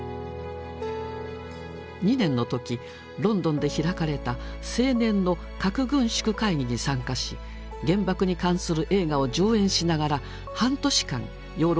２年の時ロンドンで開かれた青年の核軍縮会議に参加し原爆に関する映画を上演しながら半年間ヨーロッパを旅します。